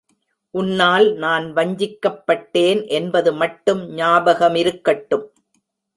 உன்னால் நான் வஞ்சிக்கப் பட்டேன் என்பது மட்டும் ஞாபக மிருக்கட்டும்!